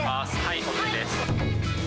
ＯＫです。